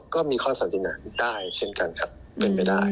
ก็มีข้อสันติหนังได้เช่นกันครับเป็นไปได้